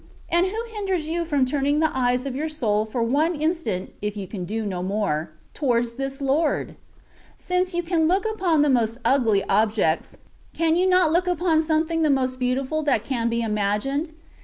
And who hinders you from turning the eyes of your soul for one instant (if you can do no more) towards this Lord ? Since you can look upon the most ugly objects, can you not look upon something the most beautiful that can be imagined